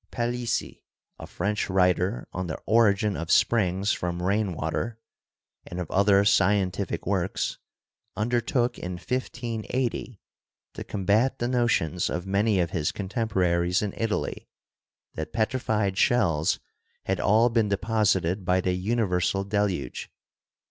Palissy, a French writer on The Origin of Springs from Rain water' and of other scientific works, under took in 1580 to combat the notions of many of his con temporaries in Italy that petrified shells had all been de posited by the universal deluge.